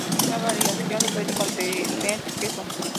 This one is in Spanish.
Una variación suele contener queso.